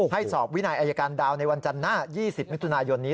ให้สอบวินัยอายการดาวในวันจันทน่า๒๐นนนี้